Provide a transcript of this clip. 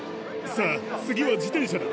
「さぁ次は自転車だ」。